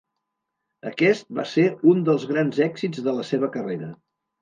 Aquest va ser un dels grans èxits de la seva carrera.